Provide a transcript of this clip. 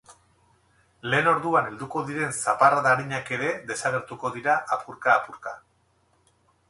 Lehen orduan helduko diren zaparrada arinak ere desagertuko dira apurka-apurka.